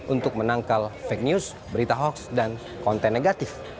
untuk menangkal fake news berita hoaks dan konten negatif